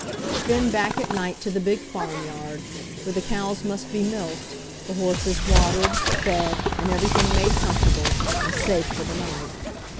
Then back at night to the big farm yard, where the cows must be milked, the horses watered, fed and everything made comfortable and safe for the night.